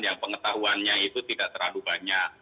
yang pengetahuannya itu tidak terlalu banyak